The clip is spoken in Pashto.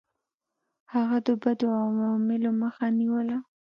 هغه د بدو عواملو مخه نیوله.